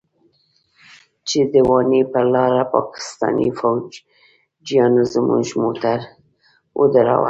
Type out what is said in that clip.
چې د واڼې پر لاره پاکستاني فوجيانو زموږ موټر ودراوه.